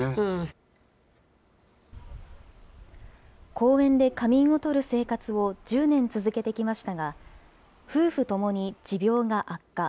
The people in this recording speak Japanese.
公園で仮眠をとる生活を１０年続けてきましたが、夫婦ともに持病が悪化。